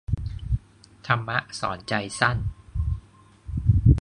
ธรรมะสอนใจสั้น